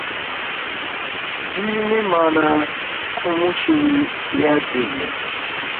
Ndi muimane ku musulu yadene.